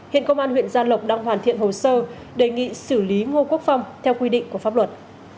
hiện công an huyện gia lộc đang hoàn thiện hồ sơ đề nghị xử lý ngô quốc phong theo quy định của pháp luật